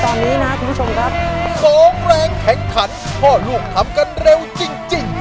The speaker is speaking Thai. คุณผู้ชมครับของแรงแข่งขันพ่อลูกทำกันเร็วจริงจริง